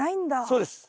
そうです。